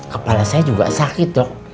kepala saya juga sakit dok